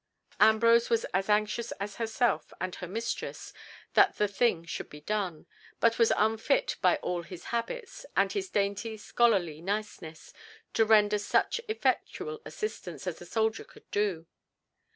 Ambrose was as anxious as herself and her mistress that the thing should be done, but was unfit by all his habits, and his dainty, scholarly niceness, to render such effectual assistance as the soldier could do.